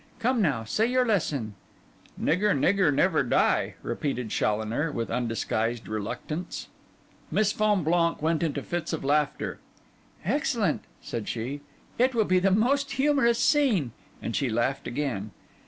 Come now, say your lesson.' '"Nigger, nigger, never die,"' repeated Challoner, with undisguised reluctance. Miss Fonblanque went into fits of laughter. 'Excellent,' said she, 'it will be the most humorous scene.' And she laughed again.